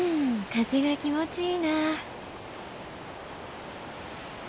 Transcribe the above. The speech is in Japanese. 風が気持ちいいな。